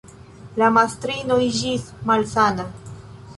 La mastrino iĝis malsana.